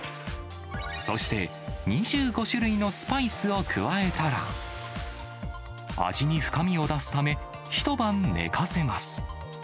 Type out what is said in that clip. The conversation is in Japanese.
そして２５種類のスパイスを加えたら、味に深みを出すため、一晩寝かせます。